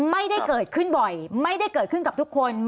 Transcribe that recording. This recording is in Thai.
ไม่ได้เกิดขึ้นบ่อยไม่ได้เกิดขึ้นกับทุกคน